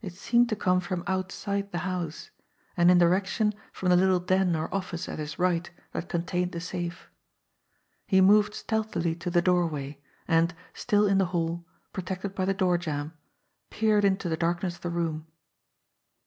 It seemed to come from outside the house, and in direction from the little den or office at his right that con tained the safe. He moved stealthily to the doorway, and, still in the hall, protected by the door jamb, peered into the darkness of the room.